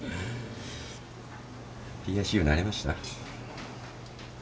ＰＩＣＵ慣れました？